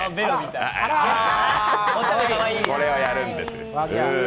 これをやるんですよ。